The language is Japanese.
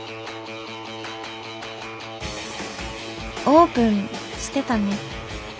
オープンしてたね。